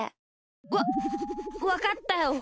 わっわかったよ。